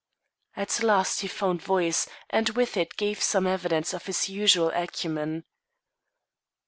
At last he found voice and with it gave some evidence of his usual acumen.